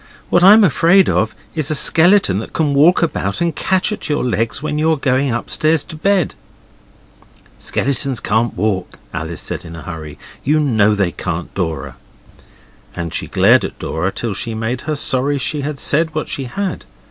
'What I'm afraid of is a skeleton that can walk about and catch at your legs when you're going upstairs to bed.' 'Skeletons can't walk,' Alice said in a hurry; 'you know they can't, Dora.' And she glared at Dora till she made her sorry she had said what she had.